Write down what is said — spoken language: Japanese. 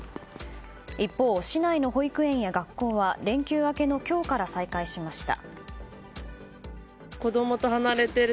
一方、市内の保育園や学校は連休明けの今日から再開しました。